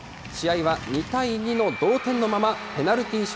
試合は２対２の同点のまま、ペナルティ